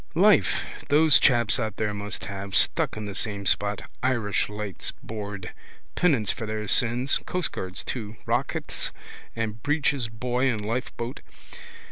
Life those chaps out there must have, stuck in the same spot. Irish Lights board. Penance for their sins. Coastguards too. Rocket and breeches buoy and lifeboat.